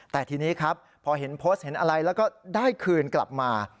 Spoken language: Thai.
แต่ทีนี้ครับพอเห็นโพสต์เห็นอะไรแล้วก็ได้คืนกลับมา